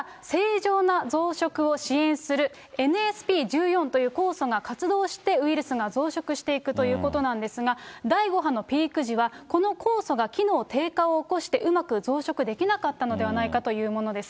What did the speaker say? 通常は正常な増殖を支援するｎｓｐ１４という酵素が活動してウイルスが増殖していくということなんですが、第５波のピーク時は、この酵素が機能低下を起こして、うまく増殖できなかったのではないかというものです。